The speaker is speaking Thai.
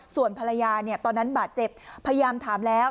ส่วนภรรยาตอนนั้นบาดเจ็บพยายามถามแล้ว